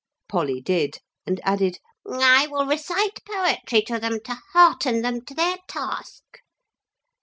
Polly did, and added, 'I will recite poetry to them to hearten them to their task.'